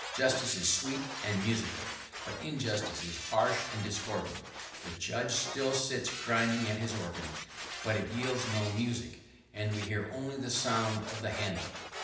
Justice is sweet and musical; but injustice is harsh and discordant. The judge still sits grinding at his organ, but it yields no music, and we hear only the sound of the handle.